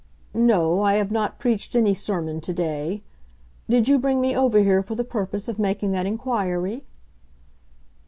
"No, I have not preached any sermon today. Did you bring me over here for the purpose of making that inquiry?"